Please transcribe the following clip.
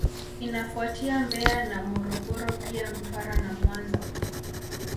Inafuatia Mbeya na Morogoro pia Mtwara na Mwanza